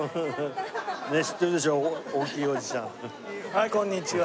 はいこんにちは。